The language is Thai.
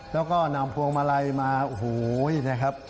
แล้วก็นำพวงมาลัยมาโอ้โหนะครับ